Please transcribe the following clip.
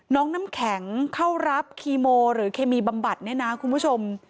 น้ำแข็งเข้ารับคีโมหรือเคมีบำบัดเนี่ยนะคุณผู้ชม